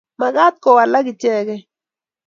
magat kowalak ichegei